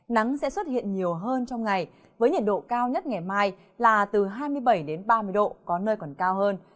nắng sẽ xuất hiện nhiều hơn trong ngày với nhiệt độ cao nhất ngày mai là từ hai mươi bảy đến ba mươi độ có nơi còn cao hơn